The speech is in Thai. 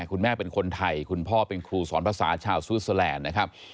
คุณแม่เป็นคนไทยคุณพ่อเป็นครูสอนภาษาชาวสู้แซแลนด์